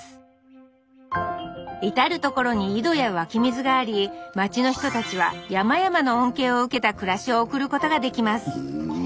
至る所に井戸や湧き水があり町の人たちは山々の恩恵を受けた暮らしを送ることができます